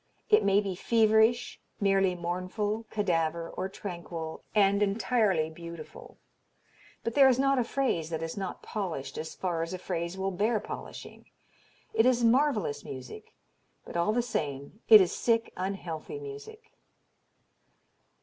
It may be feverish, merely mournful, cadavre, or tranquil, and entirely beautiful; but there is not a phrase that is not polished as far as a phrase will bear polishing. It is marvellous music; but, all the same, it is sick, unhealthy music."